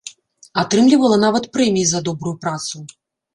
Атрымлівала нават прэміі за добрую працу.